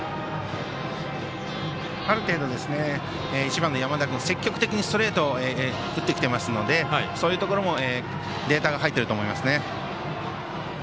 ある程度、１番の山田君積極的にストレート打ってきていますのでそういうところもデータが入ってると思いますね。